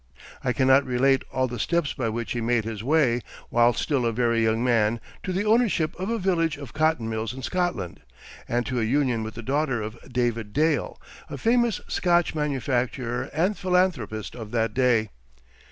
I cannot relate all the steps by which he made his way, while still a very young man, to the ownership of a village of cotton mills in Scotland, and to a union with the daughter of David Dale, a famous Scotch manufacturer and philanthropist of that day.